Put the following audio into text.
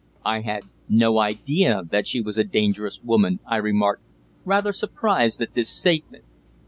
"I had no idea that she was a dangerous woman," I remarked, rather surprised at this statement.